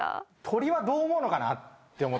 鳥はどう思うのかなって思って。